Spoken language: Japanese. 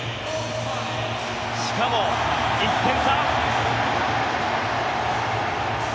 しかも、１点差。